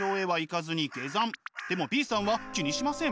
でもＢさんは気にしません。